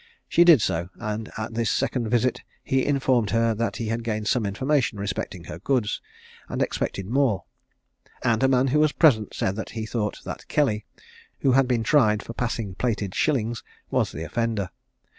She did so, and at this second visit he informed her that he had gained some information respecting her goods, and expected more; and a man who was present said that he thought that Kelly, who had been tried for passing plated shillings, was the offender.